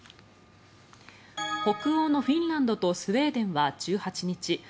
北欧のフィンランドとスウェーデンは１８日